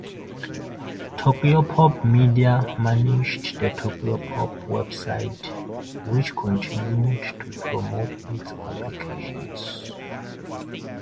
Tokyopop Media managed the Tokyopop website, which continued to promote its publications.